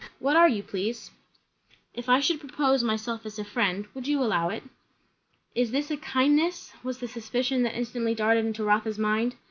What are you, please?" "If I should propose myself as a friend, would you allow it?" Is this a "kindness"? was the suspicion that instantly darted into Rotha's mind.